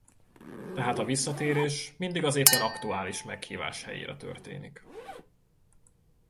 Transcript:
Tehát a visszatérés mindig az éppen aktuális meghívás helyére történik.